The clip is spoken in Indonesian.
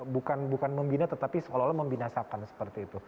bukan membina tetapi seolah olah membinasakan seperti itu